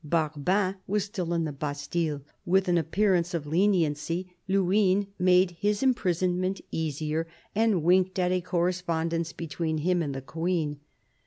Barbin was still in the Bastille. With an appearance of leniency, Luynes made his imprisonment easier and winked at a correspondence between him and the Queen.